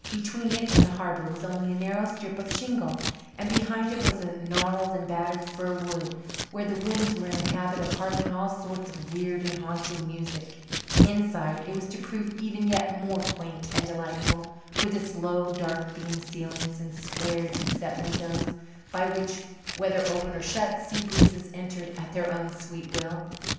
Between it and the harbour was only a narrow strip of shingle, and behind it was a gnarled and battered fir wood where the winds were in the habit of harping all sorts of weird and haunting music. Inside, it was to prove even yet more quaint and delightful, with its low, dark beamed ceilings and square, deep set windows by which, whether open or shut, sea breezes entered at their own sweet will.